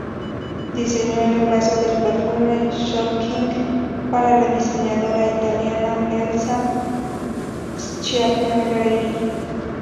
Diseñó el envase del perfume "Shocking" para la diseñadora italiana Elsa Schiaparelli.